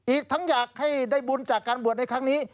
อีกทั้งอยากให้ได้บุญจากการบวชในครั้งนี้